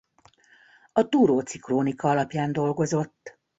A Thuróczi-krónika alapján dolgozott.